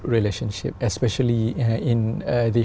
đặc biệt là trong văn hóa nền kinh tế